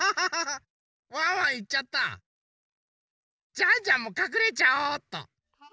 ジャンジャンもかくれちゃおっと！